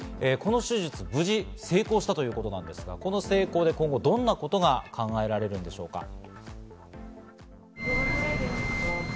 この手術、無事成功したということなんですが、この成功で今後どんなことが考えられるのでしょうか？